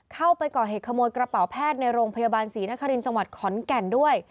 เข้าไปก่อเหตุขโมยกระเป๋าแพทย์ในโรงพยาบาลศรีนครินทร์จังหวัดขอนแก่นด้วย